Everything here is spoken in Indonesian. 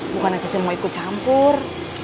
bukannya cece mau ikut campur